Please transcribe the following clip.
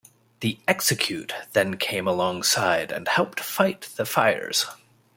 The "Execute" then came alongside and helped fight the fires.